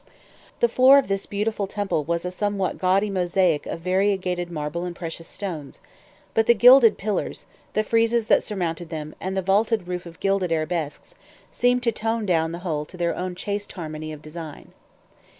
The floor of this beautiful temple was a somewhat gaudy mosaic of variegated marble and precious stones; but the gilded pillars, the friezes that surmounted them, and the vaulted roof of gilded arabesques, seemed to tone down the whole to their own chaste harmony of design.